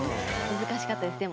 難しかったですでも。